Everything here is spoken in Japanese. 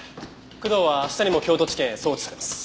工藤は明日にも京都地検へ送致されます。